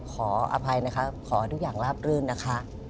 ขออภัยนะคะขอทุกอย่างราบรื่นนะคะ